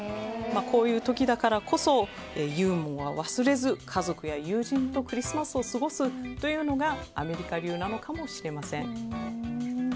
こういう時だからこそユーモアを忘れず家族や友人とクリスマスを過ごすというのがアメリカ流なのかもしれません。